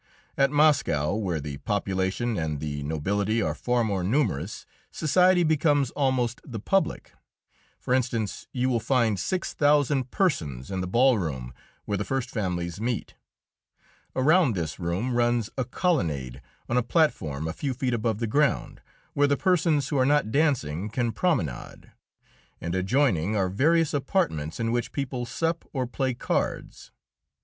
At Moscow, where the population and the nobility are far more numerous, society becomes almost the public. For instance, you will find six thousand persons in the ballroom where the first families meet. Around this room runs a colonnade on a platform a few feet above the ground, where the persons who are not dancing can promenade, and adjoining are various apartments in which people sup or play cards.